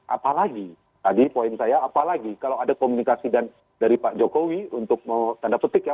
apalagi tadi poin saya apalagi kalau ada komunikasi dari pak jokowi untuk tanda petik ya